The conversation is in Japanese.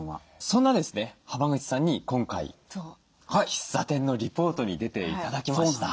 そんなですね濱口さんに今回喫茶店のリポートに出て頂きました。